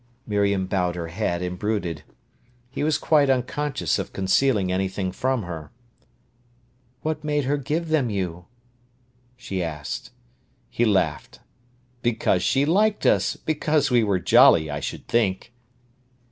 Miriam bowed her head and brooded. He was quite unconscious of concealing anything from her. "What made her give them you?" she asked. He laughed. "Because she liked us—because we were jolly, I should think."